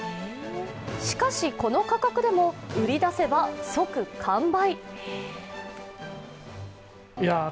しかし、この価格でも売り出せば即完売。